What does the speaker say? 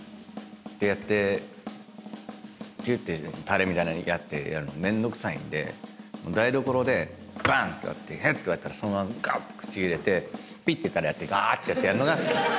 てやってピュッてたれみたいなのやってやるのめんどくさいんで台所でバンッて割ってヘッて割れたらそのままガッ口入れてピッてたれやってガーッてやんのが好きなの。